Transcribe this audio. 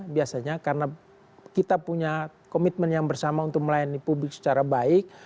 biasanya karena kita punya komitmen yang bersama untuk melayani publik secara baik